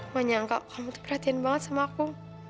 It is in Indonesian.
menyangka kamu tuh perhatiin banget sama aku